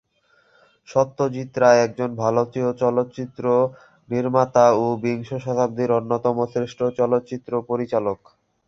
সত্যজিৎ রায় একজন ভারতীয় চলচ্চিত্র নির্মাতা ও বিংশ শতাব্দীর অন্যতম শ্রেষ্ঠ চলচ্চিত্র পরিচালক।